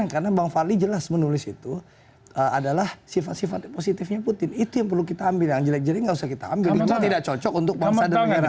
karena bang fadli jelas menulis itu adalah sifat sifat positifnya putin itu yang perlu kita ambil yang jelek jelek itu tidak usah kita ambil itu tidak cocok untuk bangsa dan negara